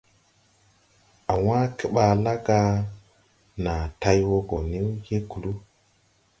A wãã kebaala ga naa tay wo go ni je kluu.